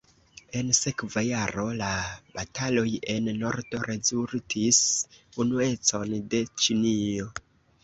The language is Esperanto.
En sekva jaro, la bataloj en nordo rezultis unuecon de Ĉinio.